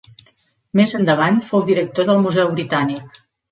Més endavant fou director del Museu Britànic.